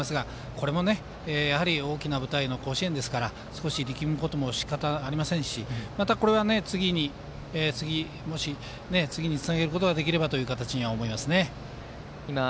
これもやはり大きな舞台の甲子園なので少し力むこともしかたありませんしまた、これは次につなげることができればと思います。